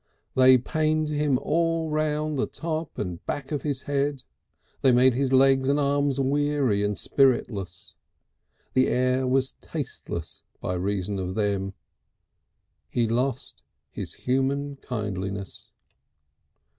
They pained him all round the top and back of his head; they made his legs and arms weary and spiritless. The air was tasteless by reason of them. He lost his human kindliness.